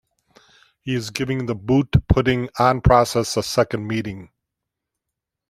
He is giving the boot-putting-on process a second meaning.